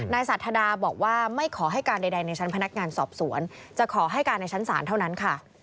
นายสาธาดาบอกว่าไม่ขอให้การใดในชั้นพนักงานสอบสวนจะขอให้การในชั้นศาลเท่านั้นค่ะ